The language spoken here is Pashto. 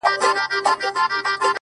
او ستا پر قبر به!!